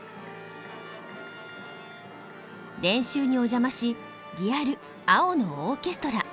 練習にお邪魔しリアル「青のオーケストラ」